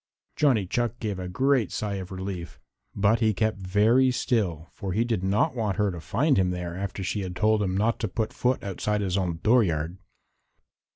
Johnny Chuck gave a great sigh of relief, but he kept very still for he did not want her to find him there after she had told him not to put foot outside his own dooryard.